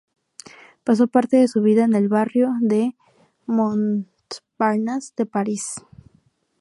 Pasó parte de su vida en el barrio de Montparnasse de París.